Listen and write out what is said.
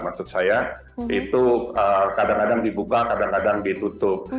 maksud saya itu kadang kadang dibuka kadang kadang ditutup